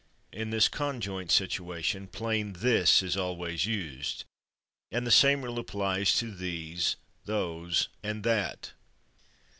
In this conjoint situation plain /this/ is always used, and the same rule [Pg217] applies to /these/, /those/ and /that